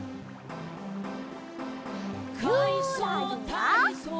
「かいそうたいそう」